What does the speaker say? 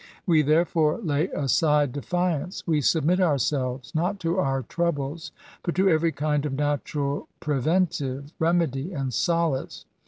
We therefore lay aside defiance ; we submit ourselves — ^not to our troubles — ^but to every kind of natural pre ventive, remedy, and solace.